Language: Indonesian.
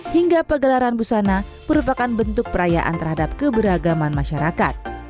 hingga pegelaran busana merupakan bentuk perayaan terhadap keberagaman masyarakat